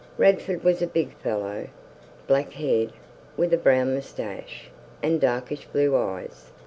Radford was a big fellow, black haired, with a brown moustache, and darkish blue eyes.